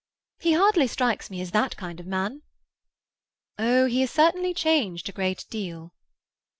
"He hardly strikes one as that kind of man." "Oh, he has certainly changed a great deal."